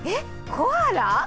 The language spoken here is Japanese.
コアラ？